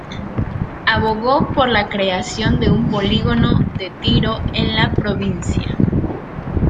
Abogó por la creación de un polígono de tiro en la provincia.